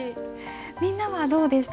みんなはどうでしたか？